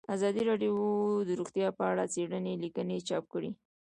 ازادي راډیو د روغتیا په اړه څېړنیزې لیکنې چاپ کړي.